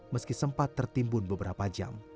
meski sempat tertimbun beberapa jam